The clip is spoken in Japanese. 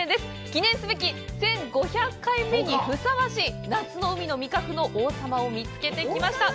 記念すべき１５００回目にふさわしい、夏の海の味覚の王様を見つけてきました。